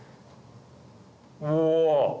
うわ。